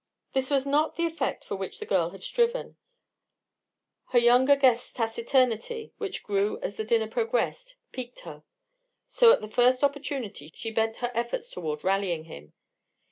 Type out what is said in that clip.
This was not the effect for which the girl had striven; her younger guest's taciturnity, which grew as the dinner progressed, piqued her, so at the first opportunity she bent her efforts toward rallying him.